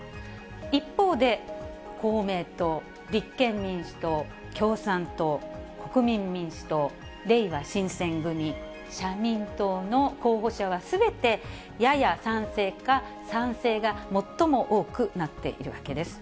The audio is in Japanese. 一方で、公明党、立憲民主党、共産党、国民民主党、れいわ新選組、社民党の候補者は、すべて、やや賛成か、賛成が最も多くなっているわけです。